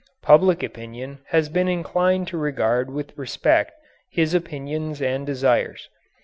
Public opinion has been inclined to regard with respect his opinions and desires.